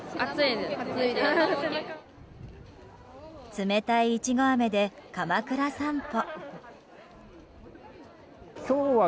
冷たいイチゴあめで鎌倉散歩。